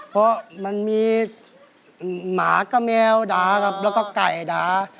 เพราะมันมีหมาก็แมวด่าครับแล้วก็ไก่ด่า